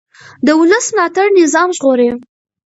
د ولس ملاتړ نظام ژغوري